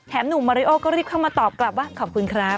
หนุ่มมาริโอก็รีบเข้ามาตอบกลับว่าขอบคุณครับ